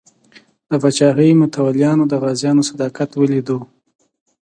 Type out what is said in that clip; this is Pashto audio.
د پاچاهۍ متولیانو د غازیانو صداقت ولیدو.